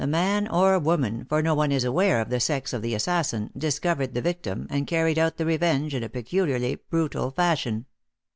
The man or woman for no one is aware of the sex of the assassin discovered the victim, and carried out the revenge in a peculiarly brutal fashion.